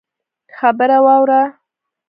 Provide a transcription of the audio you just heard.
خبره واوره!